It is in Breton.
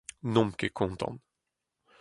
N'omp ket kontant.